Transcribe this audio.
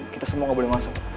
kita semua gak boleh masuk